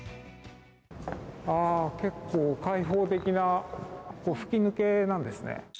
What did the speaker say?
結構、開放的な、吹き抜けなんですね。